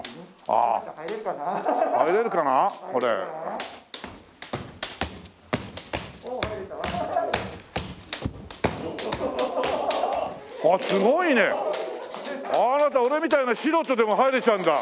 あなた俺みたいな素人でも入れちゃうんだ。